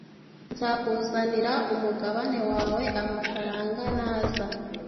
nzakuzanira umugabane wawe amafaranga naza